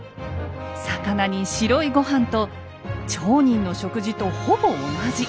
魚に白い御飯と町人の食事とほぼ同じ。